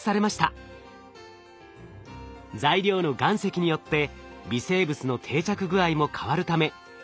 材料の岩石によって微生物の定着具合も変わるためより